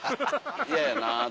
嫌やなと思って。